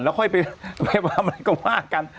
แล้วค่อยไปวาบอะไรก็ว่ากัน